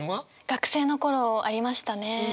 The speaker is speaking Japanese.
学生の頃ありましたね。